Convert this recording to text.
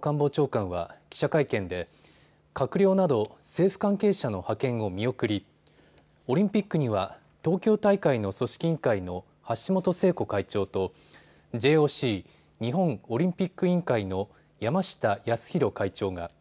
官房長官は記者会見で閣僚など政府関係者の派遣を見送りオリンピックには東京大会の組織委員会の橋本聖子会長とＪＯＣ・日本オリンピック委員会の山下泰裕会長が。